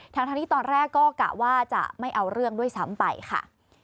ทั้งที่ตอนแรกก็กะว่าจะไม่เอาเรื่องด้วยซ้ำไปค่ะ